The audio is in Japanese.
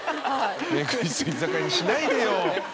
メイク室居酒屋にしないでよ。